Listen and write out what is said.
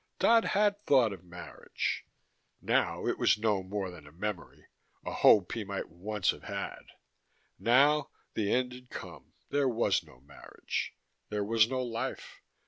Dodd had thought of marriage. (Now, it was no more than a memory, a hope he might once have had. Now, the end had come: there was no marriage. There was no life.